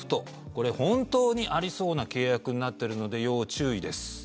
これ本当にありそうな契約になっているので要注意です。